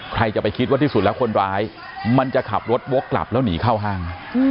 ใครจะไปคิดว่าที่สุดแล้วคนร้ายมันจะขับรถวกกลับแล้วหนีเข้าห้าง